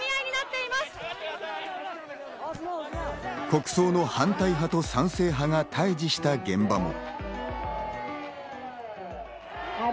国葬の反対派と賛成派が対峙した現場も。